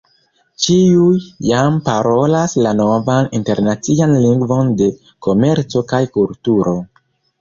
Ĉiuj jam parolas la novan internacian lingvon de komerco kaj kulturo!